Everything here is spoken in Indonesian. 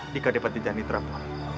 di kedepan tijani trapun